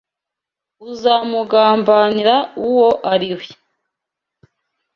uzamugambanira uwo ari we